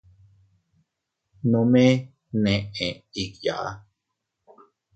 Nome neʼe igyaa.